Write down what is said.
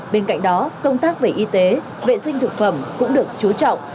bên cạnh đó công tác về y tế vệ sinh thực phẩm cũng được chú trọng